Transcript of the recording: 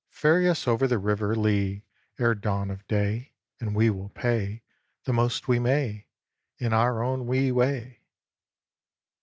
Ferry us over the river Lee Ere dawn of day, And we will pay The most we may, In our own wee way!"